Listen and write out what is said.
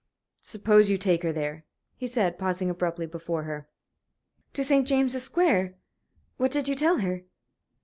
"Suppose you take her there?" he said, pausing abruptly before her. "To St. James's Square? What did you tell her?"